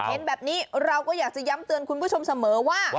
เห็นแบบนี้เราก็อยากจะย้ำเตือนคุณผู้ชมเสมอว่า